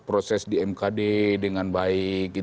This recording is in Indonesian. proses di mkd dengan baik